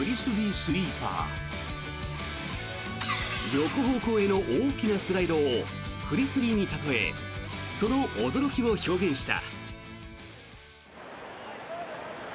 横方向への大きなスライドをフリスビーに例えその驚きを表現した。